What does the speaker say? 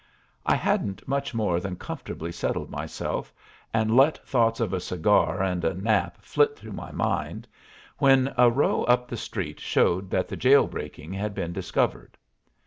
I hadn't much more than comfortably settled myself, and let thoughts of a cigar and a nap flit through my mind, when a row up the street showed that the jail breaking had been discovered.